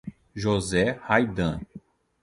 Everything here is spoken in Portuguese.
José Raydan